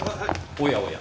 おやおや。